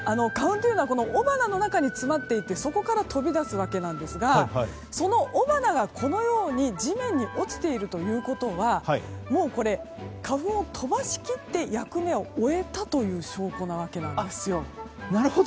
花粉というのは雄花の中に詰まっていてそこから飛び出すものなんですがその雄花が地面に落ちているということはもう花粉を飛ばし切って役目を終えたという証拠なわけです。